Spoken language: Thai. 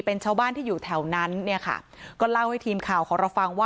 เป็นชาวบ้านที่อยู่แถวนั้นเนี่ยค่ะก็เล่าให้ทีมข่าวของเราฟังว่า